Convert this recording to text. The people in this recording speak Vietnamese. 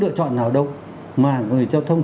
lựa chọn nào đâu mà người giao thông